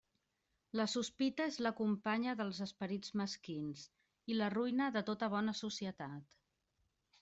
La sospita és la companya dels esperits mesquins, i la ruïna de tota bona societat.